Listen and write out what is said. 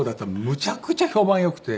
むちゃくちゃ評判良くて。